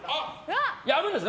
やるんですね？